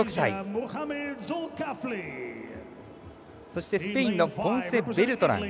そしてスペインのポンセベルトラン。